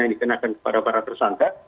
yang dikenakan kepada para tersangka